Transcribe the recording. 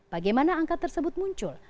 bagaimana angka tersebut muncul